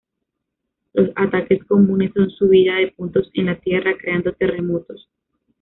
Los ataques comunes son subida de puntos en la tierra, creando terremotos.